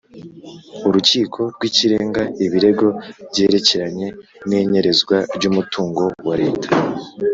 Urukiko rw’ Ikirenga ibirego byerekeranye n’inyerezwa ryumutungo wa leta